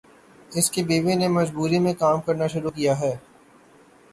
اس کی بیوی نے مجبوری میں کام کرنا شروع کیا ہے۔